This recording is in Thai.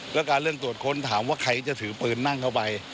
แล้วการเร่งตรวจค้นถามว่าใครจะถือปืนนั่งเข้าไป